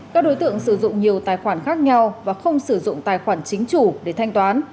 các đối tượng sử dụng nhiều tài khoản khác nhau và không sử dụng tài khoản chính chủ để thanh toán